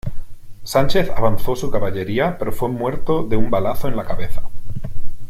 Sánchez avanzó su caballería pero fue muerto de un balazo en la cabeza.